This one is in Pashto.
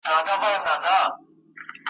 لا اوس هم نه يې تر ځايه رسېدلى ,